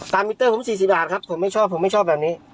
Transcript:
มิเตอร์ผม๔๐บาทครับผมไม่ชอบผมไม่ชอบแบบนี้